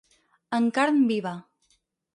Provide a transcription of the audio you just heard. En carn viva.